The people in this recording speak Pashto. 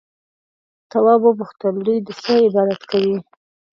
تواب وپوښتل دوی د څه عبادت کوي؟